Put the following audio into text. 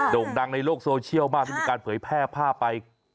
่งดังในโลกโซเชียลมากที่มีการเผยแพร่ภาพไป